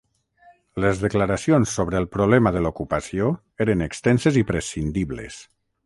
Les declaracions sobre el problema de l'ocupació eren extenses i prescindibles.